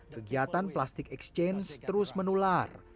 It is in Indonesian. kegiatan plastik exchange terus menular